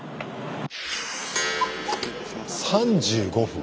３５分！